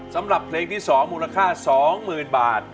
สำหรับเพลงที่๒มูลค่า๒๐๐๐บาท